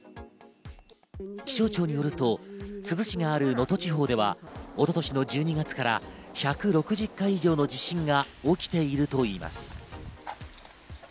気象庁によると珠洲市がある能登地方では、一昨年の１２月から１６０回以上の地震が起きているといいます。